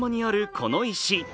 この石。